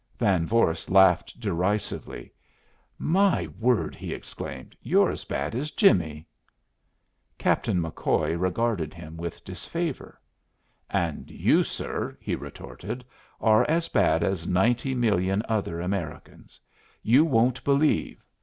Van Vorst laughed derisively. "My word!" he exclaimed. "You're as bad as Jimmie!" Captain McCoy regarded him with disfavor. "And you, sir," he retorted, "are as bad as ninety million other Americans. You won't believe!